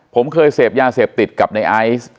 ผมเคยเสพยาเสพติดกับในไอซ์